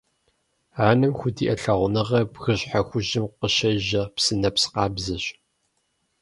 Анэм худиӀэ лъагъуныгъэр бгыщхьэ хужьым къыщежьэ псынэпс къабзэщ.